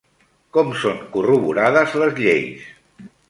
Com són corroborades les lleis?